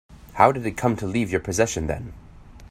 How did it come to leave your possession then?